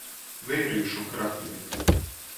Veirīšu krakli.